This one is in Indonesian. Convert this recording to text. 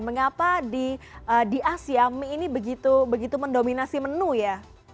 mengapa di asia mie ini begitu mendominasi menu ya